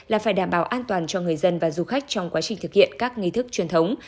là phải đảm bảo an toàn cho người dân và du khách trong quá trình thực hiện các nghi thức truyền thống